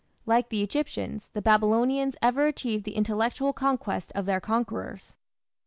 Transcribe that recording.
Like the Egyptians, the Babylonians ever achieved the intellectual conquest of their conquerors.